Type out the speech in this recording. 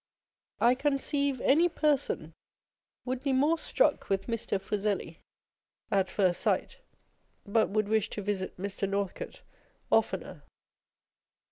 I conceive any person would be more struck with Mr. Fuseli at first sight, but would wish to visit Mr. Northcote oftener.